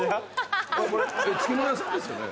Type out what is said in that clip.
漬物屋さんですよね？